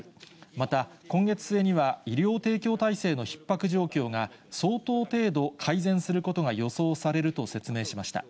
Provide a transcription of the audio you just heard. また、今月末には医療提供体制のひっ迫状況が、相当程度、改善することが予想されると説明しました。